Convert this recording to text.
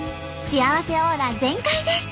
幸せオーラ全開です。